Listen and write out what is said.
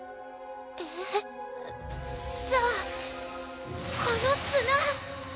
えっじゃあこの砂。